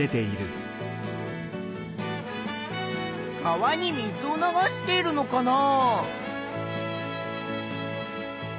川に水を流しているのかな？